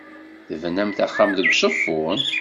Tebnamt axxam deg Uzeffun?